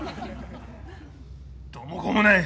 どうもこうもない。